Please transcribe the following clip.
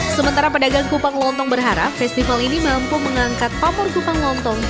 sementara pedagang kupang lontong berharap festival ini mampu mengangkat papar kupang lontong